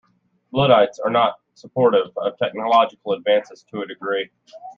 Luddites are not supportive of technological advances to a degree.